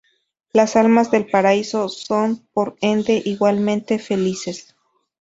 Las almas del Paraíso son por ende igualmente felices.